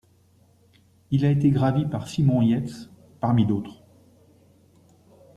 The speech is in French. Il a été gravi par Simon Yates, parmi d'autres.